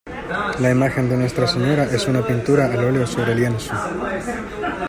La Imagen de Nuestra Señora es una pintura al óleo sobre lienzo.